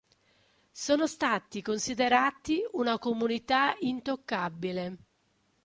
Sono stati considerati una comunità intoccabile.